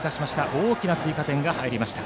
大きな追加点が入りました。